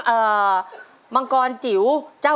เอาเลย